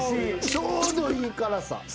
ちょうどいい辛さ。